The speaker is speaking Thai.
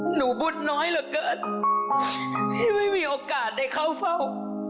หนูบุญน้อยเหลือเกินที่ไม่มีโอกาสได้เข้าเฝ้า